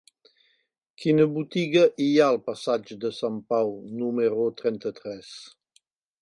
Quina botiga hi ha al passatge de Sant Pau número trenta-tres?